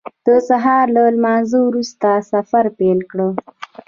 د سهار له لمانځه وروسته سفر پیل کړ.